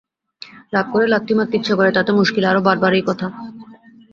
রাগ করে লাথি মারতে ইচ্ছে করে, তাতে মুশকিল আরো বাড়বারই কথা।